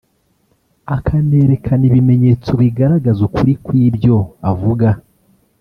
akanerekana ibimenyetso bigaragaza ukuri kw’ibyo avuga